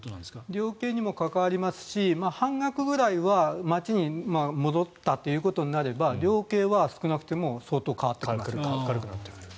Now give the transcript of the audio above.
量刑にも関わりますし半額くらいは町に戻ったということになれば量刑は少なくとも軽くなってくる。